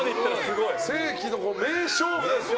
世紀の名勝負ですよ。